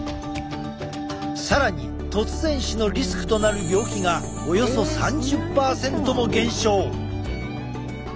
更に突然死のリスクとなる病気がおよそ３０％も減少。